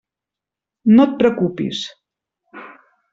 No et preocupis.